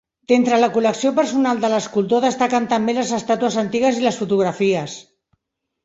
D'entre la col·lecció personal de l'escultor destaquen també les estàtues antigues i les fotografies.